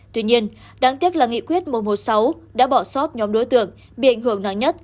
tuy nhiên đáng tiếc là nghị quyết một trăm một mươi sáu đã bỏ sót nhóm đối tượng bị ảnh hưởng nặng nhất